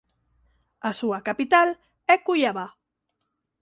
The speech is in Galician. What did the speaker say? A súa capital é Cuiabá.